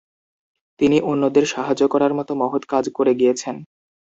তিনি অন্যদের সাহায্য করার মত মহৎ কাজ করে গিয়েছেন।